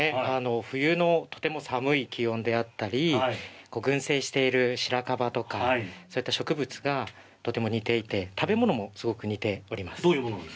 冬の寒い気温であったり群生しているシラカバとか植物がとても似ていて食べ物もすごく似ております。